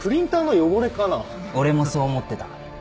俺もそう思ってた。